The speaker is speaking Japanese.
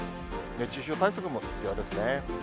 熱中症対策も必要ですね。